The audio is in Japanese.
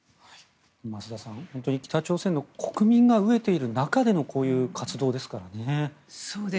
増田さん、本当に北朝鮮の国民が飢えている中でのこういう活動ですからね。